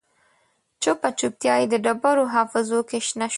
چوپه چوپتیا یې د ډبرو حافظو کې شنه شوه